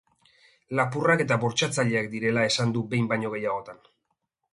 Lapurrak eta bortxatzaileak direla esan du behin baina gehiagotan.